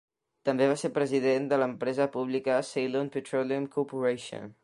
També va ser president de l'empresa pública Ceylon Petroleum Corporation.